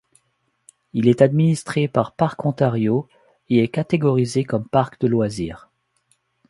Il est administré par Parcs Ontario et est catégorisé comme parc de loisir.